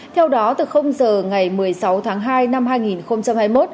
theo đó từ giờ ngày một mươi sáu tháng hai năm hai nghìn hai mươi một